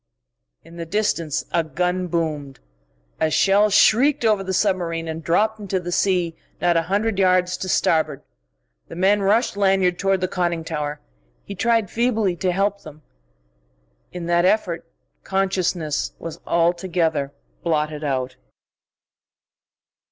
In the distance a gun boomed. A shell shrieked over the submarine and dropped into the sea not a hundred yards to starboard. The men rushed Lanyard toward the conning tower. He tried feebly to help them. In that effort consciousness was altogether blotted out....